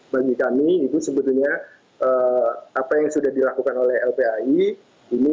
bagi kami itu sebetulnya apa yang sudah dilakukan oleh lpai ini menjadi hal yang harus dilakukan